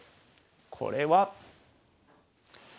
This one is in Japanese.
これは。